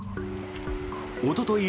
おととい